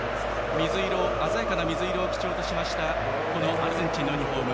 鮮やかな水色を基調としたアルゼンチンのユニフォーム。